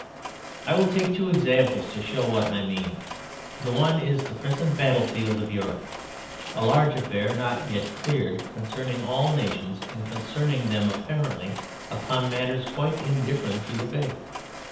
I will take two examples to show what I mean. The one is the present battlefield of Europe: a large affair not yet cleared, concerning all nations and concerning them apparently upon matters quite indifferent to the Faith.